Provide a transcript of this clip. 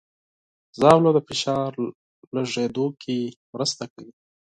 ژاوله د فشار کمولو کې مرسته کوي.